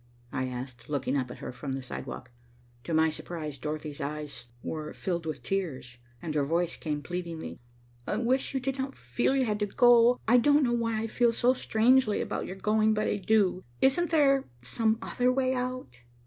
I asked, looking up at her from the sidewalk. To my surprise, Dorothy's eyes were filled with tears, and her voice came pleadingly. "I wish you did not feel you had to go. I don't know why I feel so strangely about your going, but I do. Isn't there some other way out?"